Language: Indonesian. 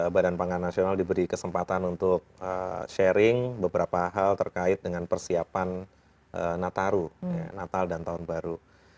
badan pangan nasional diberi kesempatan untuk sharing beberapa hal terkait dengan persiapan natal dan tahun baru